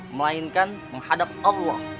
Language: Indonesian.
melainkan menghadap allah